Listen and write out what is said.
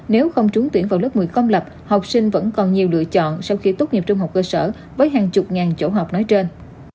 nếu không trúng tuyển vào lớp một mươi công lập học sinh vẫn còn nhiều lựa chọn sau khi tốt nghiệp trung học cơ sở với hàng chục ngàn chỗ học nói trên